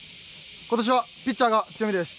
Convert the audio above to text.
今年は、ピッチャーが強みです。